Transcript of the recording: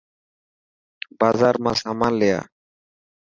بازار مان سامان لي آ.